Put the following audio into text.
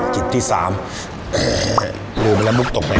จิบที่สามลืมแล้วมุกตกไป